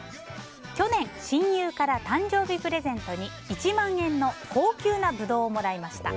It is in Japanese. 去年、親友から誕生日プレゼントに１万円の高級なブドウをもらいました。